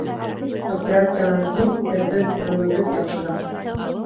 Операциянан һуң һеҙҙең күреүегеҙ яҡшырыр